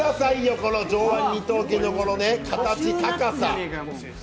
この上腕二頭筋の形、高さ！